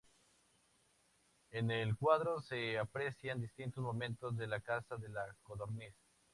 En el cuadro se aprecian distintos momentos de la caza de la codorniz.